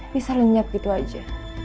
bisa lenyap gitu aja